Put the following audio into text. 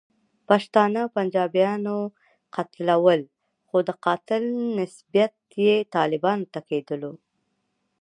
پښتانه پنجابیانو قتلول، خو د قاتل نسبیت یې طالبانو ته کېدلو.